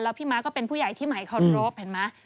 แล้วพี่ม้าก็เป็นผู้ใหญ่ที่หมายคอนโรฟเห็นมั้ย